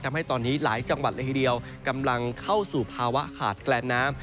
ทำให้ตอนนี้หลายจังหวัดเลยทีเดียวกำลังเข้าสู่ภาวะขาดแคลนน้ำ